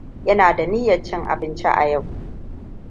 Ina da niyan chin abinci a yau.